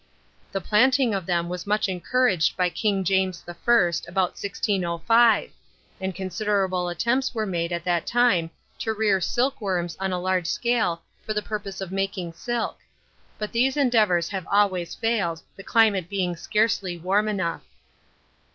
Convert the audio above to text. The planting of them was much encouraged by King James I. about 1605; and considerable attempts were made at that time to rear silkworms on a large scale for the purpose of making silk; but these endeavours have always failed, the climate being scarcely warm enough.